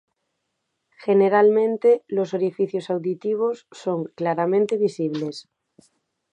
Generalmente, los orificios auditivos son claramente visibles.